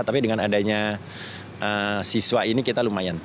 tapi dengan adanya siswa ini kita lumayan